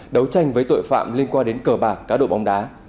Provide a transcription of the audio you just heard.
đấu tranh với tội phạm liên quan đến cờ bạc cá độ bóng đá